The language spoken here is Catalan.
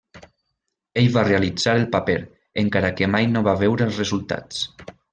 Ell va realitzar el paper, encara que mai no va veure els resultats.